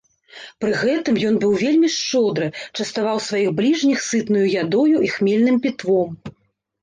Пры гэтым ён быў вельмі шчодры, частаваў сваіх бліжніх сытнай ядою і хмельным пітвом.